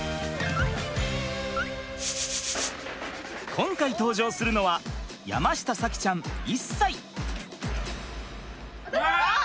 今回登場するのは山下咲希ちゃん１歳。